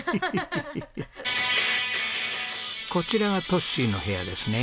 こちらがトッシーの部屋ですね。